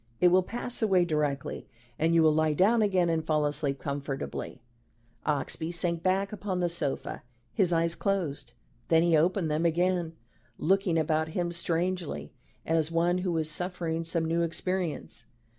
It will pass away directly, and you will lie down again and fall asleep comfortably." Oxbye sank back upon the sofa. His eyes closed. Then he opened them again, looking about him strangely, as one who is suffering some new experience.